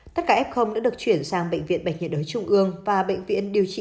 tất cả f đã được chuyển sang bệnh viện bệnh nhiệt đới trung ương và bệnh viện điều trị